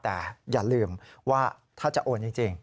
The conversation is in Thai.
แต่อย่าลืมว่าถ้าจะโอนจริง